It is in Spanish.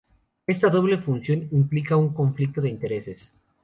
Esta doble función implica un conflicto de intereses.